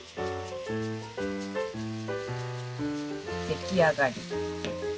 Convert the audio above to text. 出来上がり。